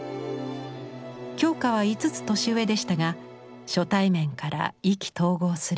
鏡花は５つ歳上でしたが初対面から意気投合する２人。